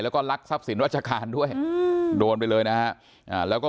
แล้วก็ลักษณ์ทรัพย์สินรัชการด้วยโดนไปเลยนะฮะ